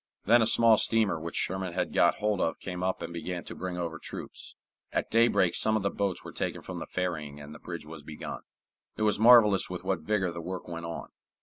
Then a small steamer which Sherman had got hold of came up and began to bring over troops. At daybreak some of the boats were taken from the ferrying and a bridge was begun. It was marvelous with what vigor the work went on.